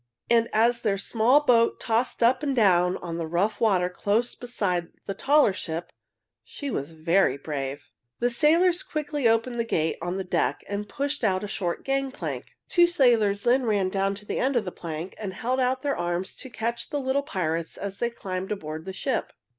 And, as their small boat tossed up and down on the rough water close beside the taller ship, she was very brave. The sailors quickly opened a gate on the deck and pushed out a short gangplank. Two sailors then ran down to the end of the plank and held out their arms to catch the little pirates as they climbed aboard the ship.